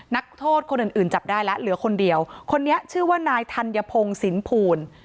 นักโทษคนอื่นอื่นจับได้แล้วเหลือคนเดียวคนนี้ชื่อว่านายธัญพงศิลปภูล